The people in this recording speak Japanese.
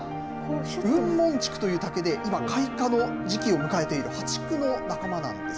ウンモンチクという竹で、今、開花の時期を迎えているハチクの仲間なんです。